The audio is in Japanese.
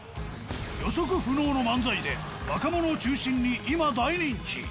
予測不能の漫才で、若者を中心に今、大人気。